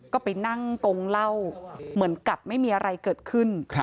ก็ไปนั่งกงเหล้าเหมือนกับไม่มีอะไรเกิดขึ้น